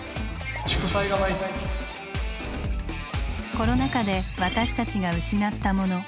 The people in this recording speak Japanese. コロナ禍で私たちが失ったもの。